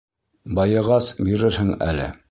Байығас, бирерһең әле.